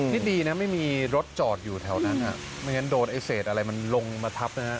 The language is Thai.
นี่ดีนะไม่มีรถจอดอยู่แถวนั้นไม่งั้นโดนไอ้เศษอะไรมันลงมาทับนะฮะ